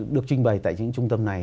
được trinh bày tại những trung tâm này